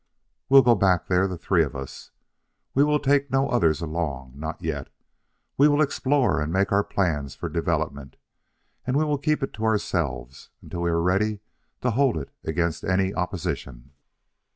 "We'll go back there, the three of us. We will take no others along not yet. We will explore and make our plans for development; and we will keep it to ourselves until we are ready to hold it against any opposition.